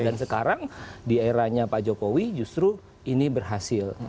dan sekarang di eranya pak jokowi justru ini berhasil